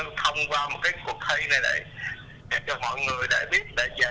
mà có những đứa trẻ